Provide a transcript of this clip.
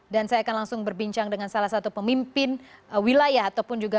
dan saya akan langsung berbincang dengan salah satu pemimpin wilayah ataupun juga